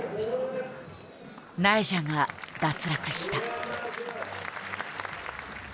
ナイジャが脱落した。